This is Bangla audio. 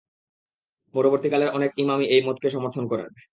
পরবর্তীকালের অনেক ইমামই এই মতকে সমর্থন করেন।